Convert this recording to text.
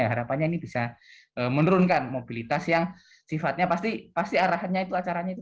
harapannya ini bisa menurunkan mobilitas yang sifatnya pasti arahannya itu acaranya itu